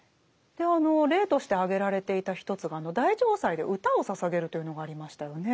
で例として挙げられていた一つが大嘗祭で歌を捧げるというのがありましたよね。